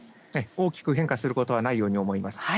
大きく変化することはないように思います。